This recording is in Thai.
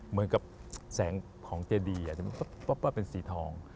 เหมือนกับแสงของเจดีอาจจะเป็นสีทอง